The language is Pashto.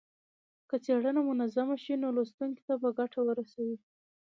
که څېړنه منظمه شي نو لوستونکو ته به ګټه ورسوي.